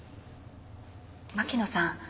牧野さん